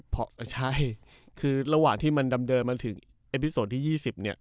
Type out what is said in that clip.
เพราะอ่ะใช่คือระหว่างที่มันดำเดินมาถึงที่ยี่สิบเนี้ย